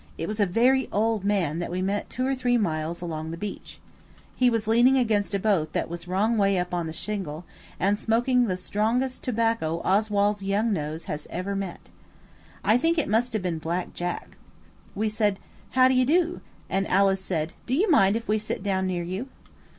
It was a very old man that we met two or three miles along the beach. He was leaning against a boat that was wrong way up on the shingle, and smoking the strongest tobacco Oswald's young nose has ever met. I think it must have been Black Jack. We said, "How do you do?" and Alice said, "Do you mind if we sit down near you.